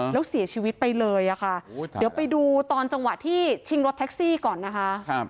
แล้วเสียชีวิตไปเลยค่ะเดี๋ยวไปดูตอนจังหวะที่ชิงรถแท็กซี่ก่อนนะคะ